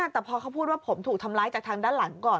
แต่พอเขาพูดว่าผมถูกทำร้ายจากทางด้านหลังก่อน